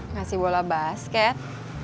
ngasih bola basket